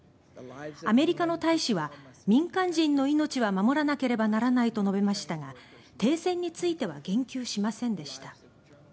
アメリカの大使は民間人の命は守らなければならないと述べましたが停戦については言及しませんでした。